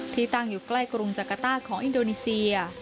ที่ตรงอยู่ใกล้กรุงจรกฎาของอินโดนีเซีย